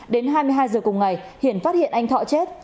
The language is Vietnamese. đến hai mươi hai giờ cùng ngày hiển phát hiện anh thọ chết